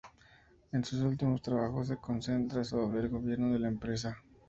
En sus últimos trabajos se concentra sobre el gobierno de la empresa.